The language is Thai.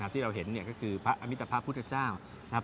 ที่เราเห็นเนี่ยก็คือพระอมิตพระพุทธเจ้านะครับ